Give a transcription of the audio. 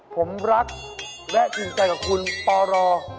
ผมรักและจริงใจกับคุณปร